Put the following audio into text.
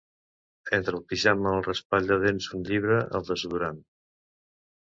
Entre el pijama el raspall de dents un llibre el desodorant.